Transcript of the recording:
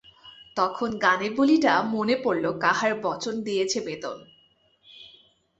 তখন গানের বুলিটা মনে পড়ল কাহার বচন দিয়েছে বেদন।